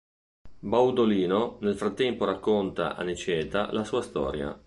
Baudolino nel frattempo racconta a Niceta la sua storia.